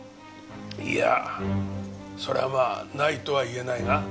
いやそれはないとは言えないが。